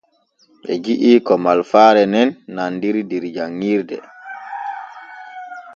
Ɓe ji’i ko malfaare nen nandiri der janɲirde.